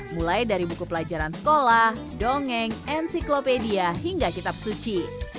mulai dari buku pelajaran sekolah dongeng ensiklopedia hingga kitab suci